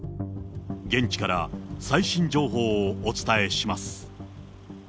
現地から最新情報をお伝えします。